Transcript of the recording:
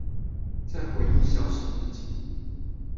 在回憶消逝之前